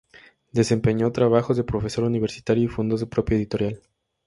Desempeñó trabajos de profesor universitario y fundó su propia editorial.